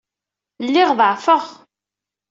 Lliɣ ḍeɛfeɣ.